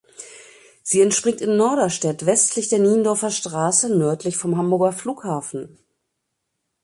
Sie entspringt in Norderstedt westlich der Niendorfer Straße nördlich vom Hamburger Flughafen.